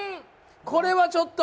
これはちょっと。